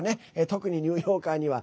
特にニューヨーカーには。